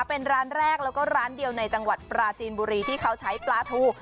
เป็นร้านแรกแล้วก็ร้านเดียวในจังหวัดปราจีนบุรีที่เขาใช้ปลาทู